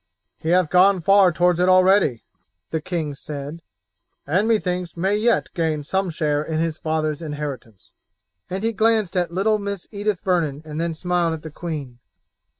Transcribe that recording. "He hath gone far towards it already," the king said, "and methinks may yet gain some share in his father's inheritance," and he glanced at little Mistress Edith Vernon and then smiled at the queen.